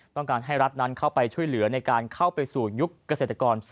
ต้องการให้รัฐนั้นเข้าไปช่วยเหลือในการเข้าไปสู่ยุคเกษตรกร